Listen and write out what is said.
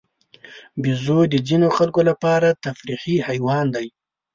بیزو د ځینو خلکو لپاره تفریحي حیوان دی.